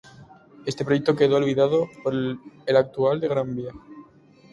Este proyecto quedó olvidado por el actual de la Gran Vía.